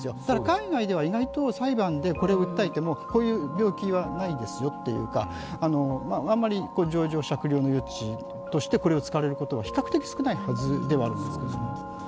だから海外では裁判でこれを訴えてもこういう病気はないですよというか、あまり情状酌量の余地としてこれを使われることは比較的少ないはずではあるんですけれども。